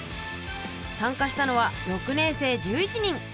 さんかしたのは６年生１１人。